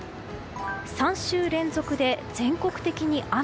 ３週連続で全国的に雨。